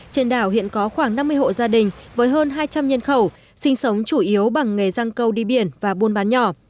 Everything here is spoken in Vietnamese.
trên đảo hiện có khoảng năm mươi hộ gia đình với hơn hai trăm linh nhân khẩu sinh sống chủ yếu bằng nghề răng câu đi biển và buôn bán nhỏ